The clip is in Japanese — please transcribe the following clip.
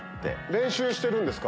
練習してるんですか？